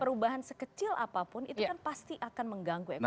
perubahan sekecil apapun itu kan pasti akan mengganggu ekonomi